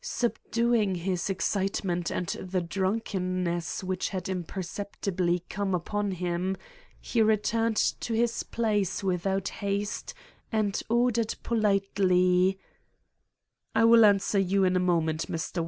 Sub duing his excitement and the drunkenness which had imperceptibly come upon him, he returned to his place without haste and ordered politely : 6 ' I will answer you in a moment, Mr. "Wonder good.